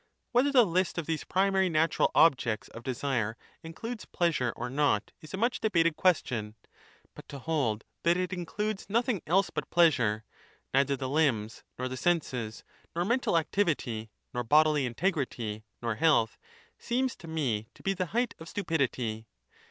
Whether the list of these primary But in «nj caw natural objects of desire includes pleasure or not is a ShiiiMopha much debated question; but to hold that it includes ''^^.'^l.^.l'L nothing else but pleasure, neither the limbs, nor the im senses," nor mental activity, nor bodily integrity nor "^ health, seems to me to be the height of stupidity.